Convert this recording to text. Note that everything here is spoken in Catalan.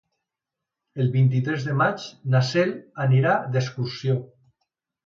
El vint-i-tres de maig na Cel anirà d'excursió.